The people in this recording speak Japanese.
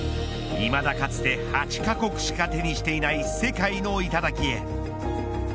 いまだかつて８カ国しか手にしたことのない世界の頂きへ。